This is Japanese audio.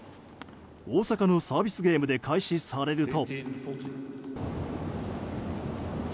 大坂のサービスゲームで開始されると。